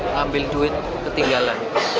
ngambil duit ketinggalan